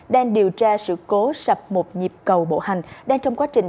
đang điều tra sự cố sập một nhịp cầu bộ hành đang trong quá trình